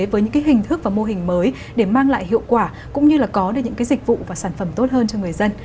với những hình thức và mô hình mới để mang lại hiệu quả cũng như là có được những dịch vụ và sản phẩm tốt hơn cho người dân